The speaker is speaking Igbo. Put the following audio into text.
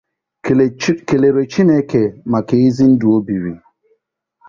kèlèrè Chineke maka ezi ndụ o biri